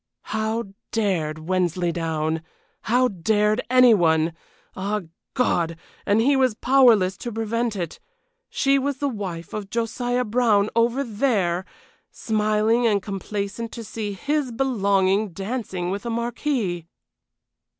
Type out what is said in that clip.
How dared Wensleydown! How dared any one! Ah, God! and he was powerless to prevent it. She was the wife of Josiah Brown over there, smiling and complacent to see his belonging dancing with a marquis!